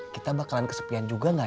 kita mau lots orangnya